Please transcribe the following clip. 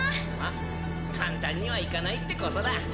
まあ簡単にはいかないってことだ。